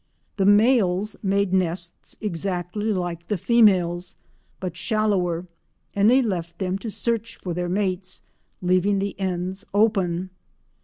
The males made nests exactly like the females, but shallower, and they left them to search for their mates, leaving the ends open.